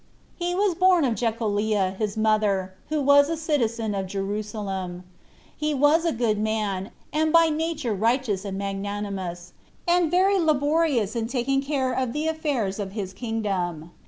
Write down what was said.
He was born of Jecoliah, his mother, who was a citizen of Jerusalem. He was a good man, and by nature righteous and magnanimous, and very laborious in taking care of the affairs of his kingdom.